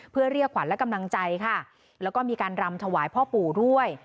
เพื่อเรียกขวัญและกำลังใจค่ะแล้วก็มีการรำถวายพ่อปู่ด้วย